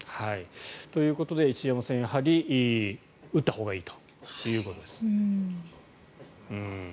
ということで石山さんやはり打ったほうがいいと。